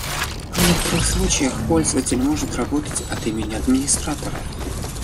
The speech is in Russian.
В некоторых случаях, пользователь может работать от имени администратора